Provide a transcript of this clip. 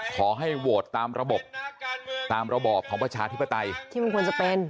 ขอให้โหวตตามระบบตามระบอบของประชาธิปไตยที่มันควรจะเป็น